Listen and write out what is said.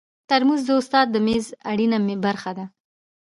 ترموز د استاد د میز اړینه برخه ده.